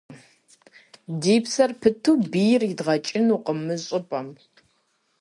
Ди псэр пыту бийр идгъэкӏынукъым мы щӏыпӏэм.